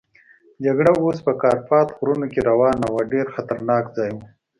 جګړه اوس په کارپات غرونو کې روانه وه، ډېر خطرناک ځای وو.